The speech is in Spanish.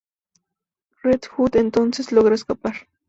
Red Hood entonces logra escapar.